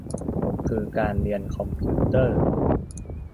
คือการเรียนคอมพิวเตอร์